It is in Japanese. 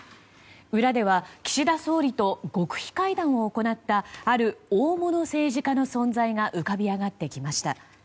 裏では岸田総理と極秘会談を行ったある大物政治家の存在が浮かび上がってきました。